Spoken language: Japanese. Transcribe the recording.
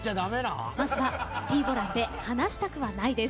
まずはＴ‐ＢＯＬＡＮで「離したくはない」です。